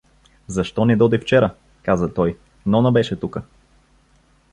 — Защо не доде вчера? — каза той. — Нона беше тука.